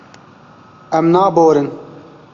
Em naborin.